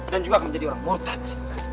dan juga akan menjadi orang murtad